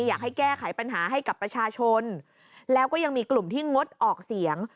อยากให้แก้ไขปัญหาให้กับประชาชนแล้วก็ยังมีกลุ่มที่งดออกเสียง